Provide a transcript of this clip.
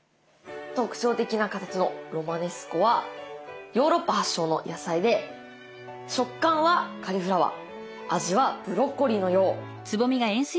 特徴的な形のロマネスコはヨーロッパ発祥の野菜で食感はカリフラワー味はブロッコリーのよう。